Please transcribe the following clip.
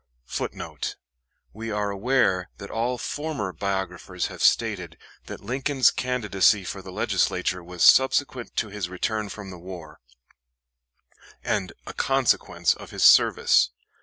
[Footnote: We are aware that all former biographers have stated that Lincoln's candidacy for the Legislature was subsequent to his return from the war, and a consequence of his service.